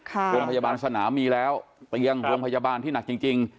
โรงพยาบาลสนามมีแล้วเตียงโรงพยาบาลที่หนักจริง